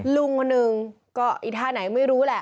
ลุงคนหนึ่งก็อีท่าไหนไม่รู้แหละ